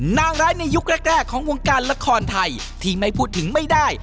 นางร้ายในยุคแรกของวงการละครไทยที่ไม่พูดถึงไม่ได้